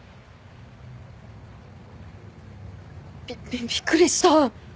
びびっくりした。